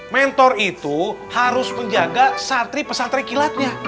mentor itu harus menjaga satri pesatri kilatnya